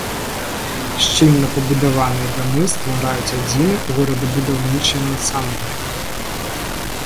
Шчыльна пабудаваныя дамы ствараюць адзіны горадабудаўнічы ансамбль.